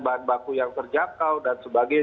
bahan baku yang terjangkau dan sebagainya